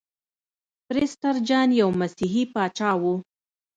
پرسټر جان یو مسیحي پاچا و.